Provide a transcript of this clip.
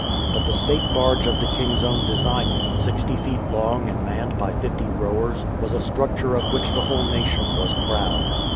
But the state barge of the king's own designing, sixty feet long and manned by fifty rowers, was a structure of which the whole nation was proud.